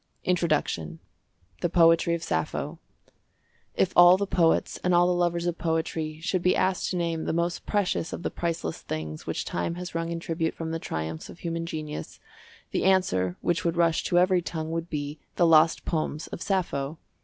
INTRODUCTION THE POETRY OF SAPPHO.—If all the poets and all the lovers of poetry should be asked to name the most precious of the priceless things which time has wrung in tribute from the triumphs of human genius, the answer which would rush to every tongue would be "The Lost Poems of Sappho."